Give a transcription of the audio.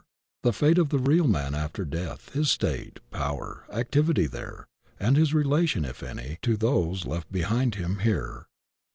The fate of the real man after death, his state, power, activity there, and his relation, if any, to those left behind him here.